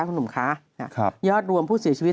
คุณหนุ่มคะยอดรวมผู้เสียชีวิต